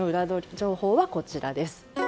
情報はこちらです。